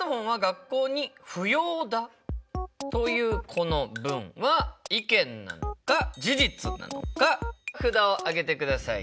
というこの文は意見なのか事実なのか札を上げてください。